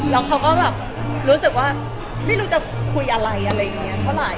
แล้วเขาก็แบบรู้สึกว่าไม่รู้จะคุยอะไรอะไรอย่างนี้เท่าไหร่